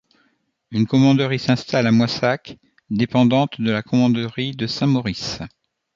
Une commanderie s'installe à Moissac, dépendante de la commanderie de Saint-Maurice.